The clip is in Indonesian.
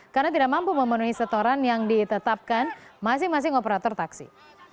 karena tidak mampu memenuhi setoran yang ditetapkan masing masing operator taksi